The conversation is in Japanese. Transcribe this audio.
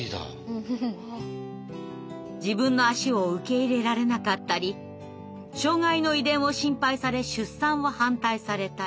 自分の足を受け入れられなかったり障害の遺伝を心配され出産を反対されたり。